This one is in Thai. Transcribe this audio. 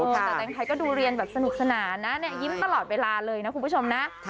แต่แตงไทยก็ดูเรียนแบบสนุกสนานนะยิ้มตลอดเวลาเลยนะคุณผู้ชมนะ